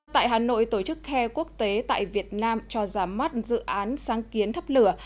tại hà nội tổ chức care quốc tế tại việt nam cho ra mắt dự án sáng kiến thắp lửa